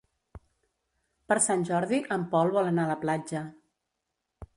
Per Sant Jordi en Pol vol anar a la platja.